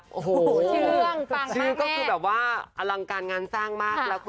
ชื่อชื่อก็คือแบบว่าอลังการงานสร้างมัก